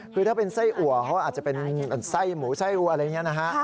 คือถ้าเป็นไส้อัวเขาอาจจะเป็นไส้หมูไส้อัวอะไรอย่างนี้นะฮะ